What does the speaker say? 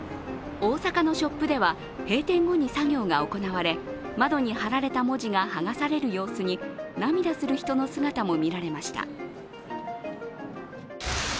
大阪のショップでは閉店後に作業が行われ窓に貼られた文字が剥がされる様子に涙する人の姿もみられました。